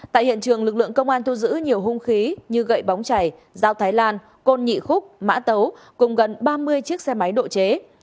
tại hiện trường lực lượng công an thu giữ nhiều hung khí như gậy bóng chảy dao thái lan côn nhị khúc mã tấu cùng gần ba mươi chiếc xe máy độ chế